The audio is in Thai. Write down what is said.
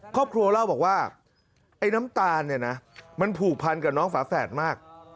ครอบครัวเล่าบอกว่าไอ้น้ำตาลเนี่ยนะมันผูกพันกับน้องฝาแฝดมาก